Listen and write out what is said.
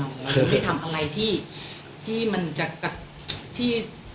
เราจะไปทำอะไรที่ที่มันจะกัดที่